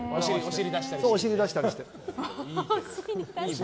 お尻出したりして。